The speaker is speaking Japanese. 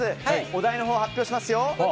お題のほうを発表しますよ。